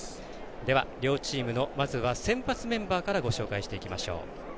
両チームのまずは先発メンバーからご紹介していきましょう。